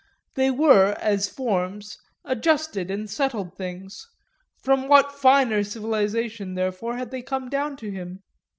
They were, as forms, adjusted and settled things; from what finer civilisation therefore had they come down to him?